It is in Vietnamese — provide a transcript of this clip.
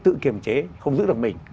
tự kiềm chế không giữ được mình